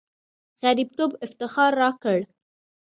غړیتوب افتخار راکړ.